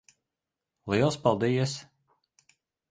Liels paldies.